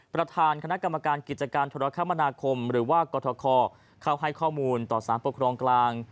ประธานคณะกรรมการกิจการธุรกรรมนาคมหรือว่ากรทคเข้าให้ข้อมูลต่อสารปกครองกลาง